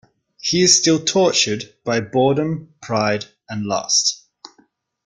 He is still tortured by boredom, pride, and lust.